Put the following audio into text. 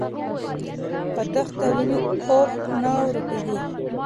که دښته وي نو اوښ نه ورکیږي.